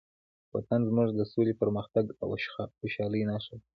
وطن زموږ د سولې، پرمختګ او خوشحالۍ نښه ده.